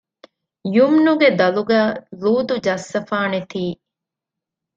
ޔުމްނުގެ ދަލުގައި ލޫޠު ޖައްސަފާނެތީ